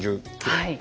はい。